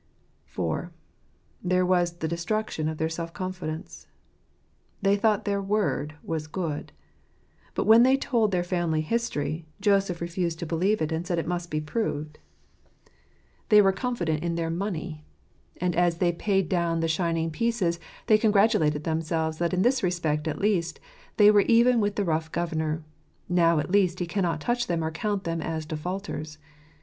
IV. There was the Destruction of their Self confidence. They thought their word was good; but when they told their family history, Joseph refused to believe it, and said it must be proved. They w r ere confident ioo Josef's ScionD interbUta fotf& %" ia ¥ tEt b rcn in their money ; and as they paid down the shining pieces, they congratulated themselves that in this respect at least they were even with this rough governor— now at least he cannot touch them or count them as defaulters.